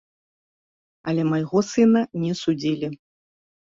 Але майго сына не судзілі.